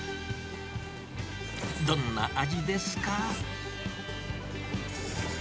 どんな味ですか？